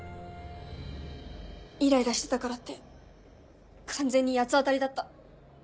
イライラしてたからって完全に八つ当たりだった。